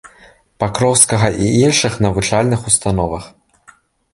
Пакроўскага і іншых навучальных установах.